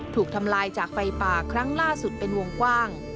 ถูกทำลายจากไฟป่าครั้งล่าสุดเป็นวงกว้าง